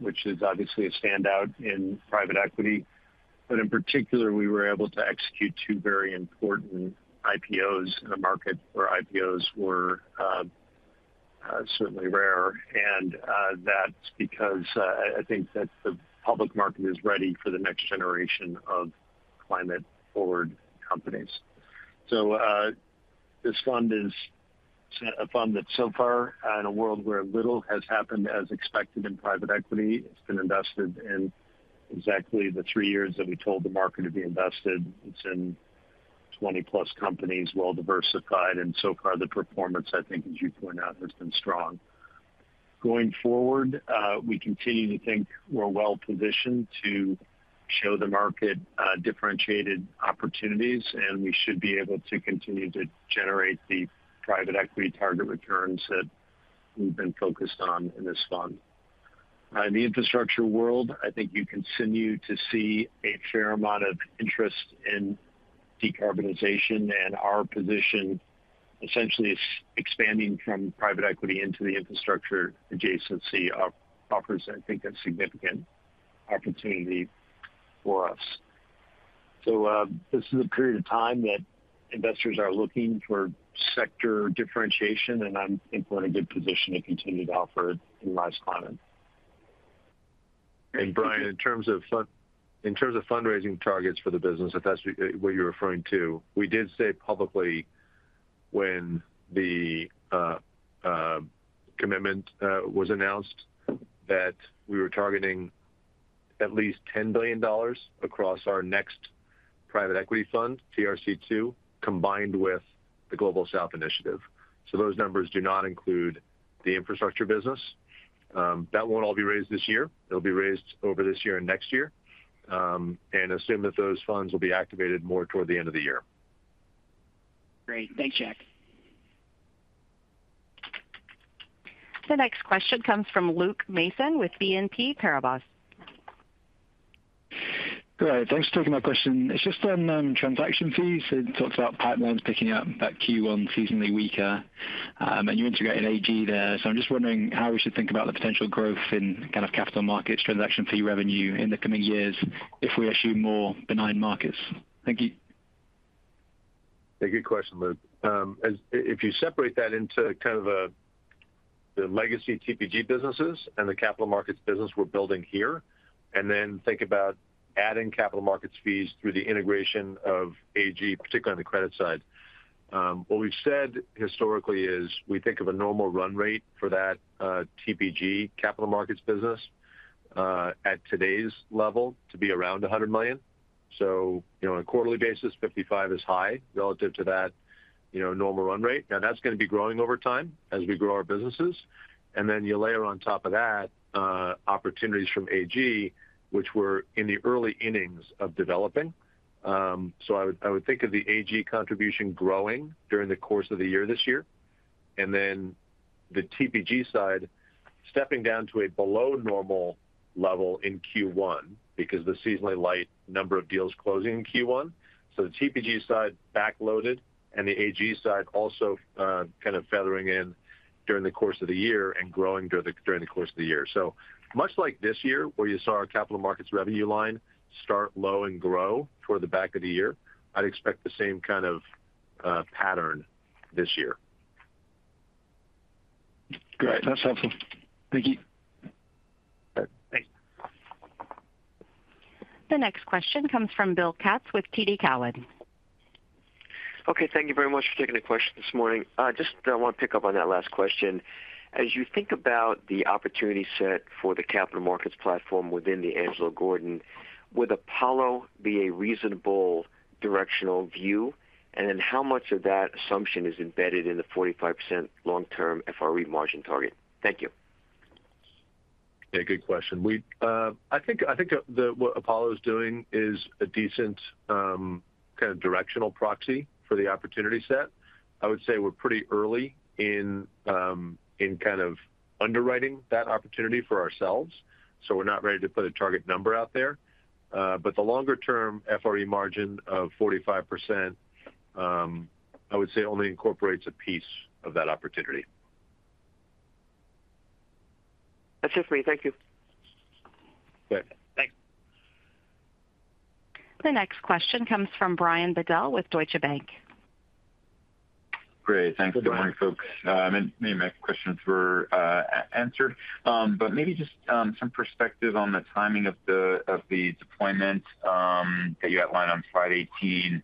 which is obviously a standout in private equity. But in particular, we were able to execute two very important IPOs in a market where IPOs were certainly rare. And that's because I I think that the public market is ready for the next generation of climate-forward companies. So this fund is a fund that so far in a world where little has happened as expected in private equity it's been invested in exactly the three years that we told the market to be invested. It's in 20+ companies well diversified. And so far the performance I think as you point out has been strong. Going forward we continue to think we're well positioned to show the market differentiated opportunities. And we should be able to continue to generate the private equity target returns that we've been focused on in this fund. In the infrastructure world I think you continue to see a fair amount of interest in decarbonization. And our position essentially is expanding from private equity into the infrastructure adjacency offers I think a significant opportunity for us. So this is a period of time that investors are looking for sector differentiation. I think we're in a good position to continue to offer it in Rise Climate. Brian, in terms of fund—in terms of fundraising targets for the business, if that's what you're referring to, we did say publicly when the commitment was announced that we were targeting at least $10 billion across our next private equity fund TRC2 combined with the Global South Initiative. So those numbers do not include the infrastructure business. That won't all be raised this year. It'll be raised over this year and next year. And assume that those funds will be activated more toward the end of the year. Great. Thanks, Jack. The next question comes from Luke Mason with BNP Paribas. Good. Thanks for taking my question. It's just on transaction fees. So you talked about pipelines picking up about Q1 seasonally weaker, and you integrate in AG there. So I'm just wondering how we should think about the potential growth in kind of capital markets transaction fee revenue in the coming years if we assume more benign markets. Thank you. Yeah. Good question, Luke. As if you separate that into kind of the legacy TPG businesses and the capital markets business we're building here. And then think about adding capital markets fees through the integration of AG particularly on the credit side. What we've said historically is we think of a normal run rate for that TPG capital markets business at today's level to be around $100 million. So you know on a quarterly basis $55 million is high relative to that you know normal run rate. Now that's gonna be growing over time as we grow our businesses. And then you layer on top of that opportunities from AG which were in the early innings of developing. So I would think of the AG contribution growing during the course of the year this year. And then the TPG side stepping down to a below normal level in Q1 because the seasonally light number of deals closing in Q1. So the TPG side backloaded and the AG side also kind of feathering in during the course of the year and growing during the course of the year. So much like this year where you saw our capital markets revenue line start low and grow toward the back of the year I'd expect the same kind of pattern this year. Great. That's helpful. Thank you. Thanks. The next question comes from Bill Katz with TD Cowen. Okay. Thank you very much for taking the question this morning. Just wanna pick up on that last question. As you think about the opportunity set for the capital markets platform within the Angelo Gordon would Apollo be a reasonable directional view? And then how much of that assumption is embedded in the 45% long-term FRE margin target? Thank you. Yeah. Good question. I think what Apollo's doing is a decent kind of directional proxy for the opportunity set. I would say we're pretty early in kind of underwriting that opportunity for ourselves. So we're not ready to put a target number out there, but the longer-term FRE margin of 45% I would say only incorporates a piece of that opportunity. That's it for me. Thank you. Good. Thanks. The next question comes from Brian Bedell with Deutsche Bank. Great. Thanks. Good morning, folks. I meant maybe my questions were answered. But maybe just some perspective on the timing of the deployment that you outlined on slide 18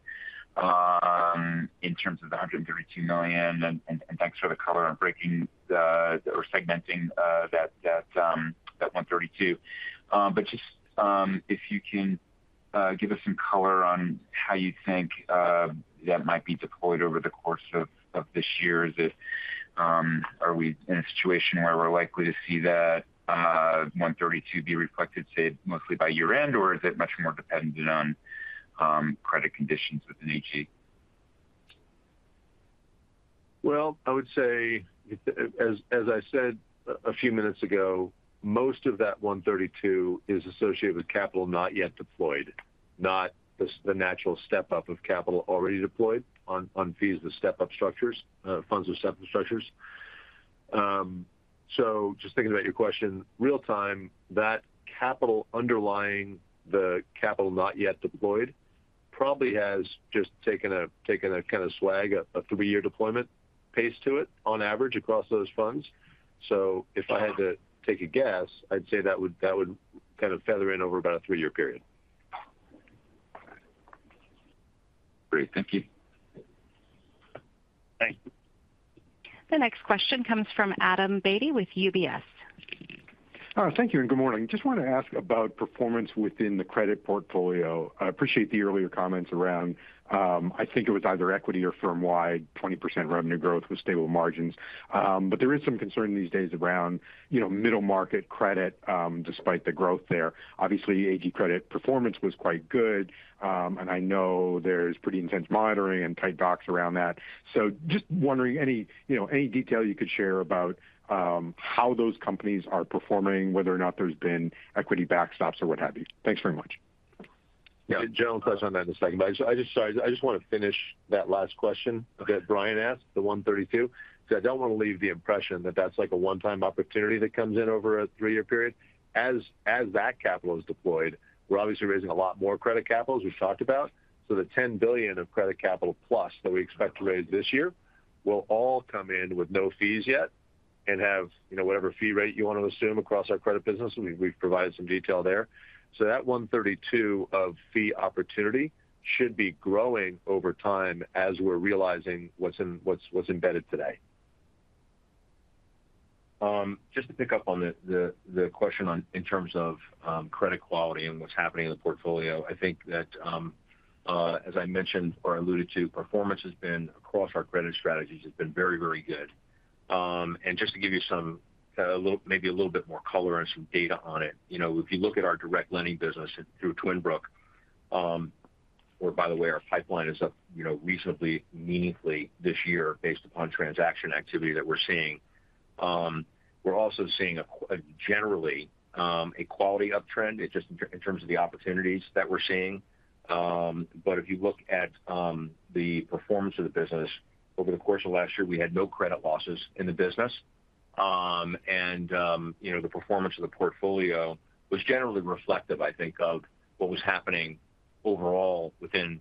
in terms of the $132 million. And thanks for the color on breaking the or segmenting that $132. But just if you can give us some color on how you think that might be deployed over the course of this year. Are we in a situation where we're likely to see that $132 be reflected say mostly by year-end? Or is it much more dependent on credit conditions within AG? Well, I would say it's, as I said a few minutes ago, most of that 132 is associated with capital not yet deployed. Not the natural step-up of capital already deployed on fees with step-up structures, funds with step-up structures. So, just thinking about your question real-time, that capital underlying the capital not yet deployed probably has just taken a kind of swag, a three-year deployment pace to it on average across those funds. So, if I had to take a guess, I'd say that would kind of feather in over about a three-year period. Great. Thank you. Thanks. The next question comes from Adam Beatty with UBS. All right. Thank you and good morning. Just wanted to ask about performance within the credit portfolio. I appreciate the earlier comments around, I think, either equity or firm-wide 20% revenue growth with stable margins. But there is some concern these days around, you know, middle market credit despite the growth there. Obviously AG credit performance was quite good. And I know there's pretty intense monitoring and tight docs around that. So just wondering any, you know, any detail you could share about how those companies are performing, whether or not there's been equity backstops or what have you. Thanks very much. Yeah. Jon'll touch on that in a second. But I just—sorry. I just wanna finish that last question that Brian asked, the 132. 'Cause I don't wanna leave the impression that that's like a one-time opportunity that comes in over a three-year period. As that capital is deployed we're obviously raising a lot more credit capital we've talked about. So the $10 billion of credit capital plus that we expect to raise this year will all come in with no fees yet and have you know whatever fee rate you wanna assume across our credit business. And we've provided some detail there. So that 132 of fee opportunity should be growing over time as we're realizing what's in what's embedded today. Just to pick up on the question on, in terms of credit quality and what's happening in the portfolio, I think that as I mentioned or alluded to, performance has been across our credit strategies has been very, very good. And just to give you some kind of a little bit more color and some data on it, you know, if you look at our direct lending business and through Twin Brook, or by the way, our pipeline is up, you know, reasonably meaningfully this year based upon transaction activity that we're seeing. We're also seeing a generally a quality uptrend, it just in terms of the opportunities that we're seeing. But if you look at the performance of the business over the course of last year, we had no credit losses in the business. And you know the performance of the portfolio was generally reflective I think of what was happening overall within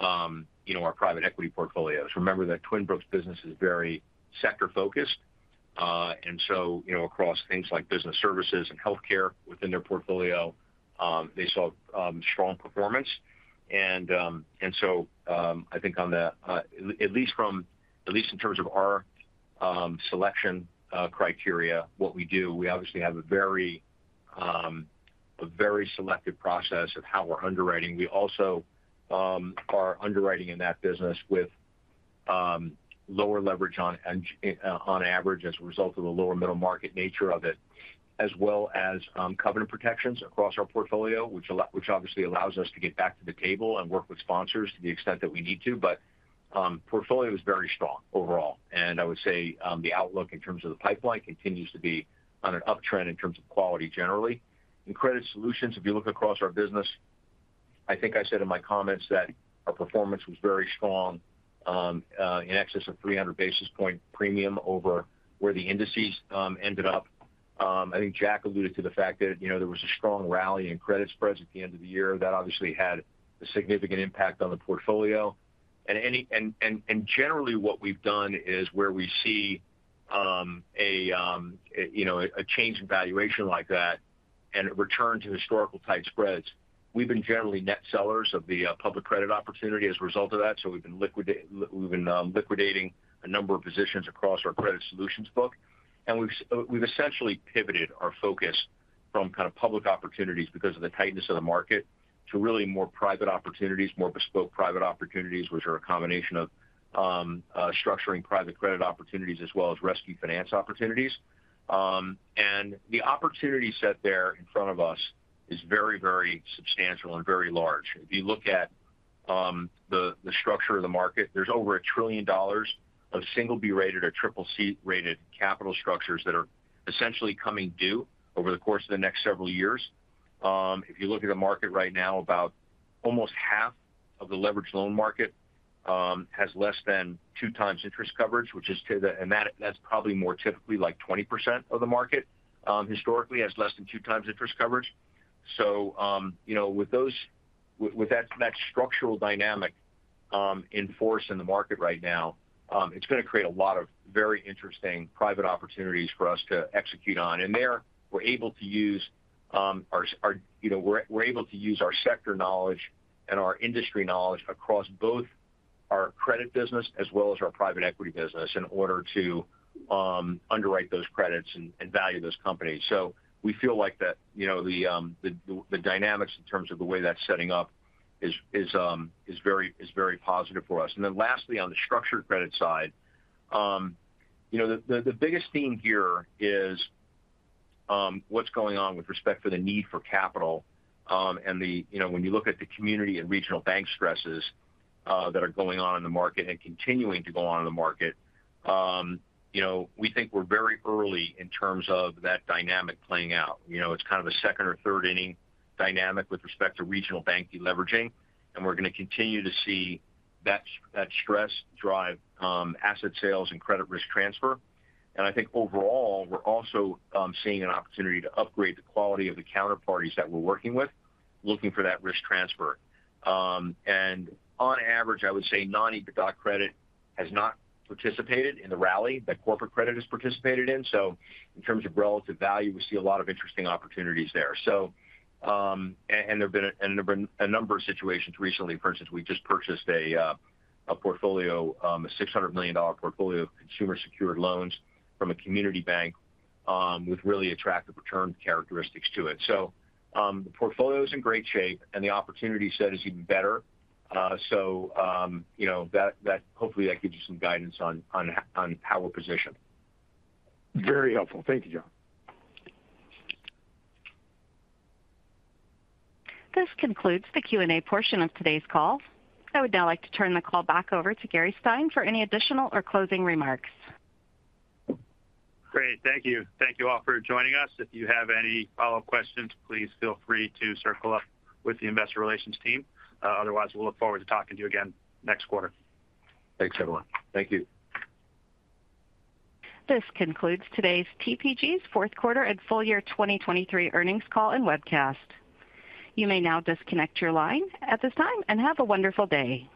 you know our private equity portfolios. Remember that Twin Brook business is very sector-focused. So you know across things like business services and healthcare within their portfolio they saw strong performance. And so I think at least in terms of our selection criteria what we do we obviously have a very selective process of how we're underwriting. We also are underwriting in that business with lower leverage on average as a result of the lower middle market nature of it as well as covenant protections across our portfolio which obviously allows us to get back to the table and work with sponsors to the extent that we need to. But portfolio is very strong overall. And I would say the outlook in terms of the pipeline continues to be on an uptrend in terms of quality generally. In Credit Solutions, if you look across our business, I think I said in my comments that our performance was very strong in excess of 300 basis points premium over where the indices ended up. I think Jack alluded to the fact that, you know, there was a strong rally in credit spreads at the end of the year. That obviously had a significant impact on the portfolio. And generally, what we've done is where we see a, you know, a change in valuation like that and a return to historical tight spreads, we've been generally net sellers of the public credit opportunity as a result of that. So we've been liquidating a number of positions across our Credit Solutions book. We've essentially pivoted our focus from kinda public opportunities because of the tightness of the market to really more private opportunities more bespoke private opportunities which are a combination of structuring private credit opportunities as well as rescue finance opportunities. The opportunity set there in front of us is very very substantial and very large. If you look at the structure of the market there's over $1 trillion of single B-rated or triple C-rated capital structures that are essentially coming due over the course of the next several years. If you look at the market right now, about almost half of the leveraged loan market has less than 2x interest coverage, and that's probably more typically like 20% of the market historically has less than 2x interest coverage. So you know with that structural dynamic in force in the market right now it's gonna create a lot of very interesting private opportunities for us to execute on. And there we're able to use our you know we're able to use our sector knowledge and our industry knowledge across both our credit business as well as our private equity business in order to underwrite those credits and value those companies. So we feel like that you know the dynamics in terms of the way that's setting up is very positive for us. And then lastly on the structured credit side you know the biggest theme here is what's going on with respect to the need for capital. And you know when you look at the community and regional bank stresses that are going on in the market and continuing to go on in the market you know we think we're very early in terms of that dynamic playing out. You know it's kind of a second or third inning dynamic with respect to regional bank deleveraging. And we're gonna continue to see that stress drive asset sales and credit risk transfer. And I think overall we're also seeing an opportunity to upgrade the quality of the counterparties that we're working with looking for that risk transfer. And on average I would say non-EBITDA credit has not participated in the rally that corporate credit has participated in. So in terms of relative value we see a lot of interesting opportunities there. So and there've been a number of situations recently. For instance we just purchased a $600 million portfolio of consumer secured loans from a community bank with really attractive return characteristics to it. So the portfolio's in great shape and the opportunity set is even better. So you know that hopefully that gives you some guidance on how we're positioned. Very helpful. Thank you, Jon. This concludes the Q&A portion of today's call. I would now like to turn the call back over to Gary Stein for any additional or closing remarks. Great. Thank you. Thank you all for joining us. If you have any follow-up questions, please feel free to circle up with the Investor Relations team. Otherwise, we'll look forward to talking to you again next quarter. Thanks, everyone. Thank you. This concludes today's TPG's fourth quarter and full year 2023 earnings call and webcast. You may now disconnect your line at this time and have a wonderful day.